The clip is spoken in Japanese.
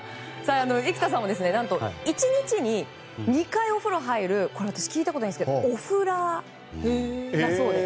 生田さんは何と１日に２回お風呂に入る私、聞いたことないんですけどオフラーだそうで。